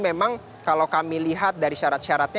memang kalau kami lihat dari syarat syaratnya